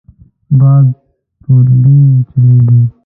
باد توربین چلېږي.